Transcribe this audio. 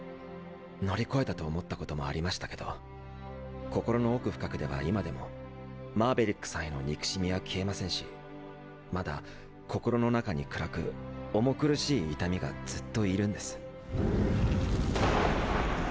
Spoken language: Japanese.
乗り越えたと思ったこともありましたけど心の奥深くでは今でもマーベリックさんへの憎しみは消えませんしまだ心の中に暗く重苦しい痛みがずっと居るんです。